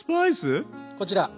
こちら。